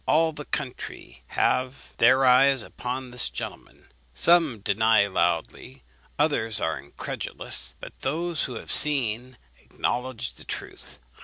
All the country have their eyes upon this gentleman; some deny loudly, others are incredulous; but those who have seen acknowledge the truth.